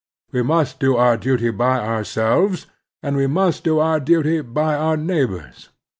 We must do our duty by our selves and we must do our duty by our neighbors.